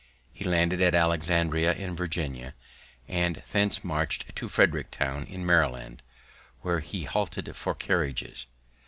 He landed at Alexandria, in Virginia, and thence march'd to Frederictown, in Maryland, where he halted for carriages.